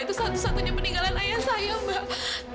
itu satu satunya peninggalan ayah saya mbak